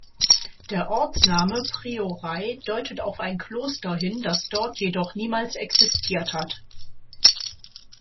Der Ortsname "Priorei" deutet auf ein Kloster hin, das dort jedoch niemals existiert hat.